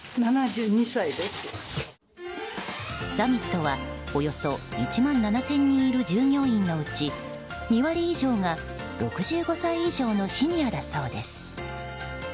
サミットはおよそ１万７０００人いる従業員のうち、２割以上が６５歳以上のシニアだそうです。